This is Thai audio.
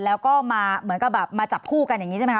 แล้วก็มาเหมือนกับแบบมาจับคู่กันอย่างนี้ใช่ไหมค